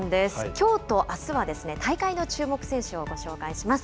きょうとあすは、大会の注目選手をご紹介します。